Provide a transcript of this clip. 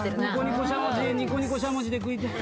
ニコニコしゃもじで食いてえ。